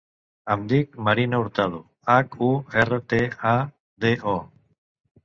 Em dic Marina Hurtado: hac, u, erra, te, a, de, o.